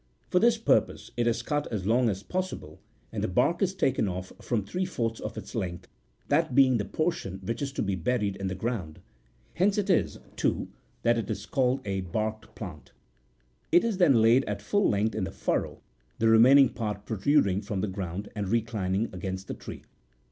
For this purpose, it is cut as long as pos sible, and the bark is taken off from three fourths of its length, that being the portion which is to be buried in the ground ; hence it is, too, that it is called a "barked"59 plant. It is then laid at full length in the furrow, the remaining part pro truding from the ground and reclining against the tree.